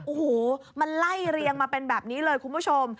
โอ้โหมันไล่เรียงมาเป็นแบบนี้เลยคุณผู้ชม